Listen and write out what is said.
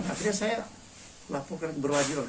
akhirnya saya laporkan keberwajaran